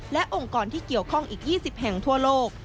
และองค์กรที่เกี่ยวข้องอีก๒๐แห่งทั่วโลก